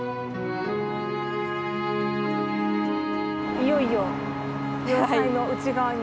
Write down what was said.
いよいよ要塞の内側に。